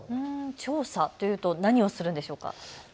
調査というと何をするんでしょうか。